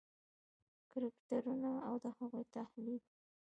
کرکټرونه او د هغوی تحلیل: